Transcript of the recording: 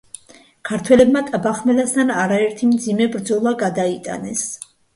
ქართველებმა ტაბახმელასთან არაერთი მძიმე ბრძოლა გადაიტანეს.